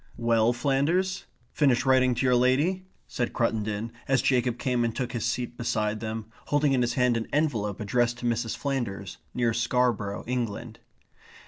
"Well, Flanders, finished writing to your lady?" said Cruttendon, as Jacob came and took his seat beside them, holding in his hand an envelope addressed to Mrs. Flanders, near Scarborough, England.